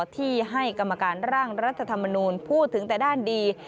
ที่ให้กรรมการร่างรัฐธรรมนูลพูดถึงแต่ด้านดี